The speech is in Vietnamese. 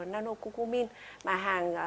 nanocucumin mà hàng